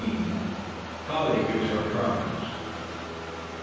POLLY GIVES HER PROMISE.